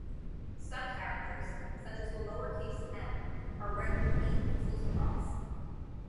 Some characters, such as the lowercase "m", are rendered eight pixels across.